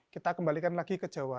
kita kembalikan lagi ke jawa